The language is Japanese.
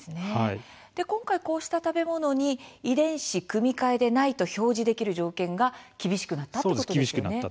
今回こうした食べ物に「遺伝子組み換えでない」と表示できる条件が厳しくなったということですか。